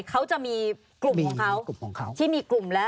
เขาจะมีกลุ่มของเขาที่มีกลุ่มและ